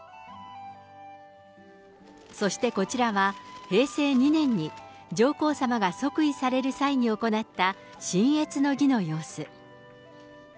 そしてこちらは、平成２年に上皇さまが即位される際に行った親謁の儀の様子。